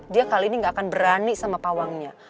dia kali ini gak akan berani sama pawangnya